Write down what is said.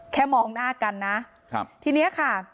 แค่มองหน้ากันนะทีนี้ค่ะ